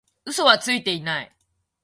嘘はついてない